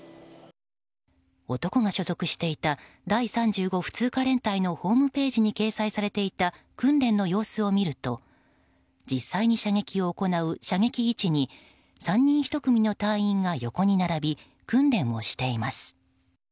男が所属していた第３５普通科連隊のホームページに掲載されていた訓練の様子を見ると実際に射撃を行う射撃位置に３人１組の隊員が横に並び訓練をしています。